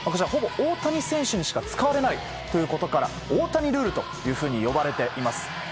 ほぼ大谷選手しか使われないということから大谷ルールと呼ばれています。